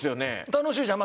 楽しいじゃん。